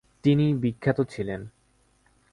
তিনি বিখ্যাত ছিলেন।